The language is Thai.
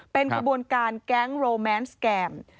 เป็นขบวนการแก๊งโรแมนสแกม